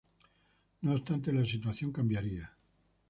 No obstante la situación cambiaría.